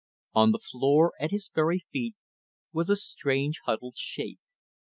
On the floor at his very feet was a strange huddled shape.